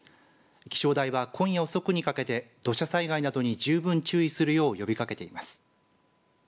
気象台は今夜遅くにかけて土砂災害などに十分注意するよう呼びかけています。